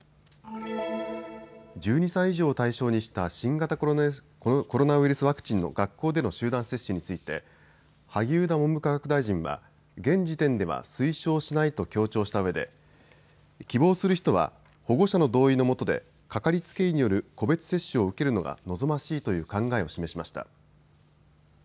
１２歳以上を対象にした新型コロナウイルスワクチンの学校での集団接種について萩生田文部科学大臣は現時点では推奨しないと強調したうえで希望する人は保護者の同意のもとで掛かりつけ医による個別接種を受けるのが望ましいという考えを示しました。